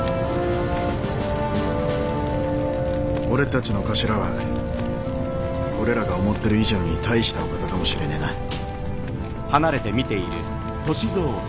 俺たちの頭は俺らが思ってる以上に大したお方かもしれねえな。